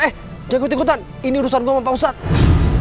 eh jangan gue tinggutan ini urusan gue sama pak ustadz